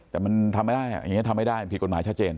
แต่มันทำไม่ได้อย่างนี้ทำไม่ได้ผิดกฎหมายชัดเจน